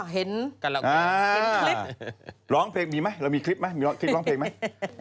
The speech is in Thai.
เห็นกันแล้วร้องเพลงมีไหมเรามีคลิปร้องเพลงไหม